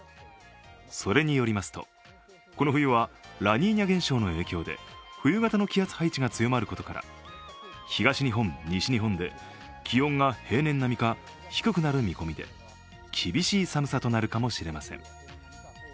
それによりますと、この冬はラニーニャ現象の影響で冬型の気圧配置が強まることから東日本、西日本で気温が平年並みか、低くなる見込みで厳しい寒さとなるかもしれません。